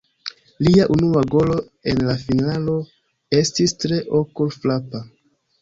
Lia unua golo en la finalo estis tre okul-frapa.